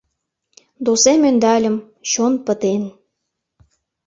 Досем ӧндальым, чон пытен.